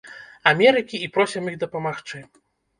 Амерыкі і просім іх дапамагчы.